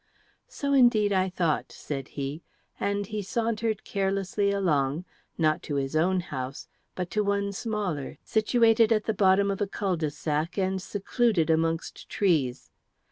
"So, indeed, I thought," said he; and he sauntered carelessly along, not to his own house, but to one smaller, situated at the bottom of a cul de sac and secluded amongst trees.